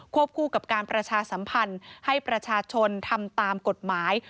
คู่กับการประชาสัมพันธ์ให้ประชาชนทำตามกฎหมาย